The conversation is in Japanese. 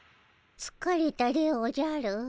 つかれたでおじゃる。